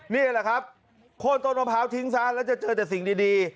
นี่แหละครับโค้นต้นมะพร้าวทิ้งซะแล้วจะเจอแต่สิ่งดี